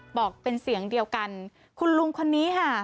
บอกเป็นเสียงเดียวกันคุณลุงคนนี้ค่ะ